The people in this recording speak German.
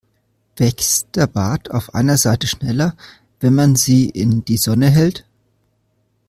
Wächst der Bart auf einer Seite schneller, wenn man sie in die Sonne hält?